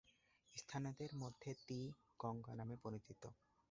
স্থানীয়দের মধ্যে এটা তি-গাঙ্গা নামে পরিচিত।